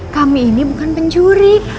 kami ini bukan pencuri